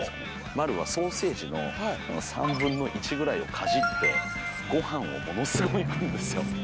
丸はソーセージの３分の１ぐらいをかじって、ごはんをものすごい食うんですよ。